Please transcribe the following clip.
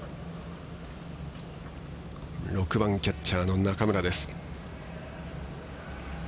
６番キャッチャーの中村です。